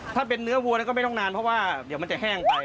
ถ้าเป็นเนื้อวัวก็ไม่ต้องนานเพราะว่าเดี๋ยวมันจะแห้งไป